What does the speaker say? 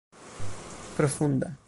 profunda